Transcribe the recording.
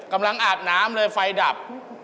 กำลังอาบน้ำเลยไฟดับ